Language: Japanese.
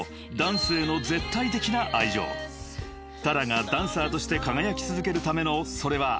［Ｔａｒａがダンサーとして輝き続けるためのそれは］